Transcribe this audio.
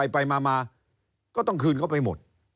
ไปมาก็ต้องคืนเข้าไปหมด